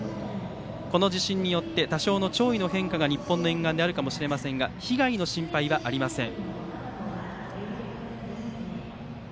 この地震によって多少の潮位の変化が日本の沿岸であるかもしれませんが被害の心配はありません。